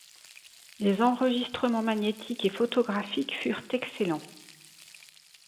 Les enregistrements magnétiques et photographiques furent excellents.